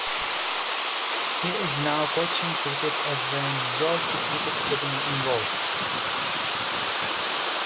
He is now coaching cricket at the York Cricket Academy in York.